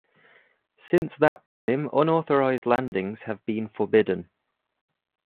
Since that time unauthorised landings have been forbidden.